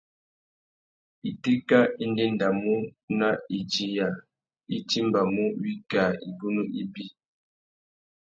Itéka i ndéndamú à idiya, i timbamú wikā igunú ibi.